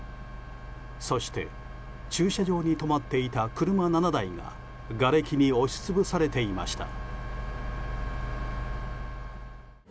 そして、駐車場に止まっていた車７台ががれきに押し潰されていました。